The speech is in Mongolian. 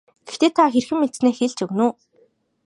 Гэхдээ та хэрхэн мэдсэнээ хэлж өгнө үү.